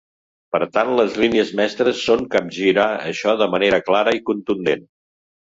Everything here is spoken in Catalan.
Per tant, les línies mestres són capgirar això de manera clara i contundent.